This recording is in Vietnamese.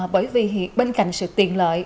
bởi vì bên cạnh sự tiện lợi